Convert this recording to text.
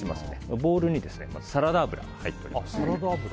ボウルにサラダ油が入っております。